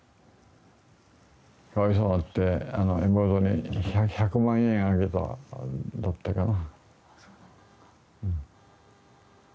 かわいそうになって妹に１００万円あげたんだったかな。